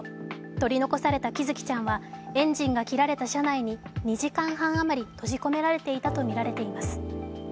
取り残された喜寿生ちゃんはエンジンが切られた車内に２時間半余り閉じ込められていたとみられています。